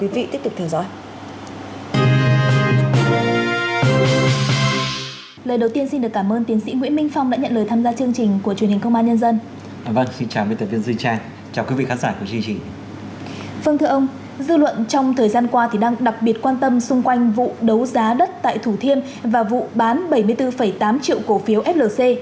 vâng thưa ông dư luận trong thời gian qua thì đang đặc biệt quan tâm xung quanh vụ đấu giá đất tại thủ thiên và vụ bán bảy mươi bốn tám triệu cổ phiếu flc